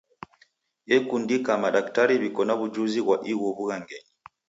Ekundika madaktari w'iko na w'ujuzi ghwa ighu w'ughangenyi.